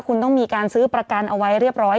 คุณต้องมีการซื้อประกันเอาไว้เรียบร้อย